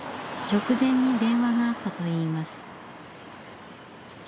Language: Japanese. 直前に電話があったといいます。